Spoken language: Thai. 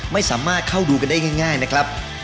ไม่สามารถเข้าดูกันได้ง่ายนะครับ